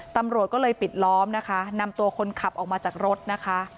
ตำรวจก็เลยปิดล้อมนะคะนำตัวคนขับออกมาจากรถนะคะ